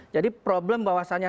jadi problem bahwasannya